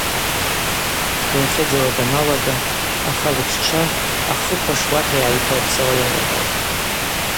Дырхьыдзауа даналага, ахыгӏвтшчва ахы квашуата йгӏайыквырпсауа йалагатӏ.